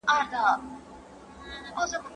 لښتې په خپلو شنو خالونو باندې د سړې هوا لړزه حس کړه.